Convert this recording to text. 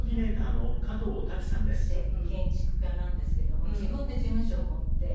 今３５になりまして建築家なんですけども自分で事務所を持って。